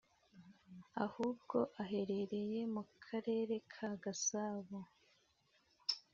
ahubwo ahererey mu karereka ka gasabo